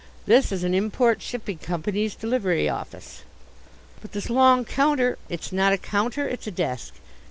This is an Import Shipping Company's Delivery Office." "But this long counter " "It's not a counter, it's a desk."